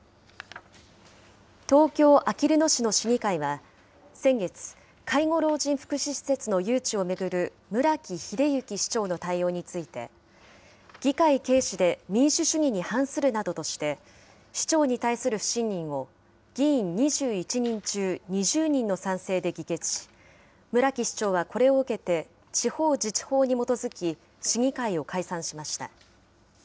東京・あきる野市の市議会は、先月、介護老人福祉施設の誘致を巡る村木英幸市長の対応について、議会軽視で民主主義に反するなどとして、市長に対する不信任を議員２１人中２０人の賛成で議決し、村木市長はこれを受けて地方自治法に基づき、市議会を解散しました。